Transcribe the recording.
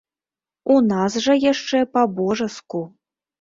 У нас жа яшчэ па-божаску.